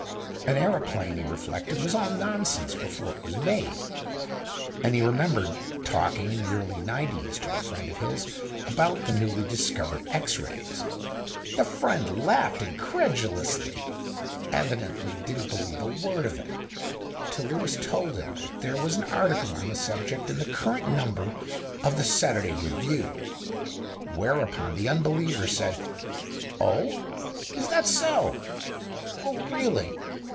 An aeroplane, he reflected, was all nonsense before it was made; and he remembered talking in the early nineties to a friend of his about the newly discovered X Rays. The friend laughed incredulously, evidently didn't believe a word of it, till Lewis told him that there was an article on the subject in the current number of the Saturday Review; whereupon the unbeliever said, "Oh, is that so? Oh, really.